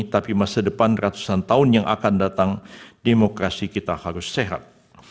tapi masa depan ratusan tahun yang akan datang demokrasi kita harus sehat